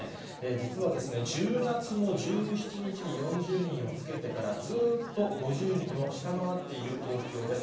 実はですね、１０月の１７日に４０人をつけてから、ずっと５０人を下回っている東京です。